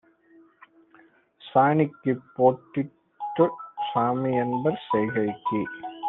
சாணிக்குப் பொட்டிட்டுச் சாமிஎன்பார் செய்கைக்கு